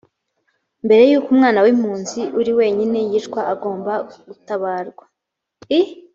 mbere y uko umwana w impuzi uri wenyine yicwa agomba gutabarwa